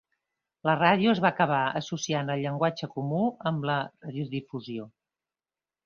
La ràdio es va acabar associant al llenguatge comú amb la radiodifusió.